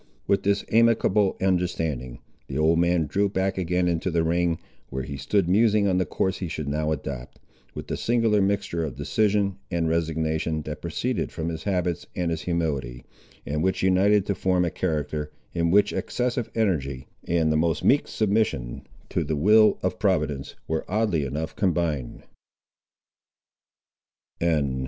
With this amicable understanding, the old man drew back again into the ring, where he stood musing on the course he should now adopt, with the singular mixture of decision and resignation that proceeded from his habits and his humility, and which united to form a character, in which excessive energy, and the most meek submission to the will of Providence, were oddly enough combined.